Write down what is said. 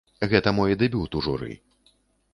Гэта мой дэбют у журы.